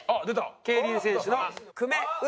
競輪選手の久米詩さん。